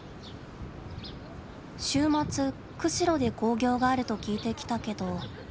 週末釧路で興行があると聞いてきたけど。